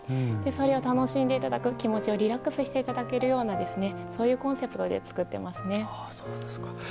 それを楽しんでいただく気持ちをリラックスしていただけるようなそういうコンセプトで作っていますね。